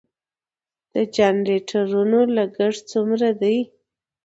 د جنراتورونو لګښت څومره دی؟